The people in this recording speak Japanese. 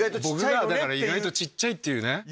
僕が意外とちっちゃいっていうね。